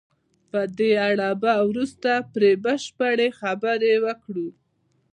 په دې اړه به وروسته پرې بشپړې خبرې وکړو.